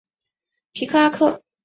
卢皮阿克。